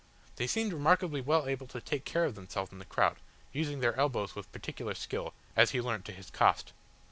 They seemed remarkably well able to take care of themselves in the crowd, using their elbows with particular skill, as he learnt to his cost.